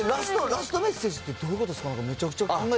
ラストメッセージってどういうことですか、めちゃくちゃ考え